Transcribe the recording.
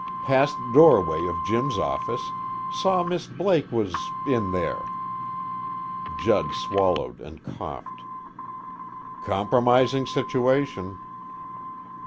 Passed doorway of Jim's office, saw Miss Blake was in there." Judd swallowed and coughed. "Compromising situation."